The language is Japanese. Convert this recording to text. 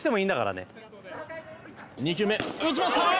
「２球目」「打ちました！